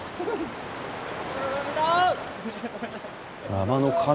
“山の神”だ。